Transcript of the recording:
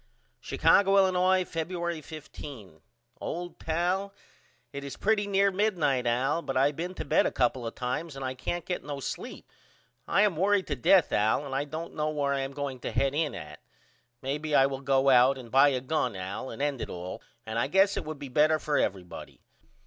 Chicago, Illinois, Febuery 15. OLD PAL: It is pretty near midnight Al but I been to bed a couple of times and I can't get no sleep. I am worried to death Al and I don't know where I am going to head in at. Maybe I will go out and buy a gun Al and end it all and I guess it would be better for everybody.